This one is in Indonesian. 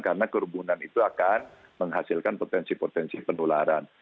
karena kerumunan itu akan menghasilkan potensi potensi penularan